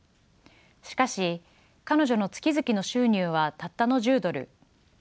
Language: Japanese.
しかし彼女の月々の収入はたったの１０ドル。